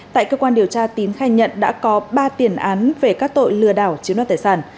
tại cơ quan điều tra tín khai nhận đã có ba tiền án về các tội lừa đảo chiếm đoạt tài sản